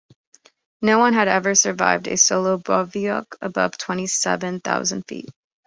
"No one had ever survived a solo bivouac above twenty-seven thousand feet".